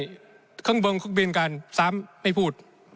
เท่าที่นอนขึ้นข้างบนคุกบินกันซ้ำไม่พูด